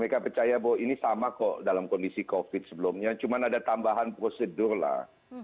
mereka percaya bahwa ini sama kok dalam kondisi covid sebelumnya cuma ada tambahan prosedur lah